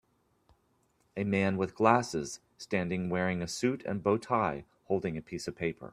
A man with glasses standing wearing a suit and bowtie holding a piece of paper.